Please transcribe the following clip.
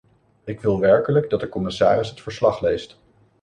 Ik wil werkelijk dat de commissaris het verslag leest.